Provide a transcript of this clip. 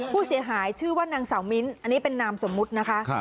ผู้เสียหายชื่อว่านางสาวมิ้นอันนี้เป็นนามสมมุตินะคะ